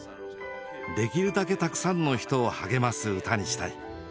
できるだけたくさんの人を励ます歌にしたい。